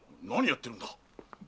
何やってるんだ？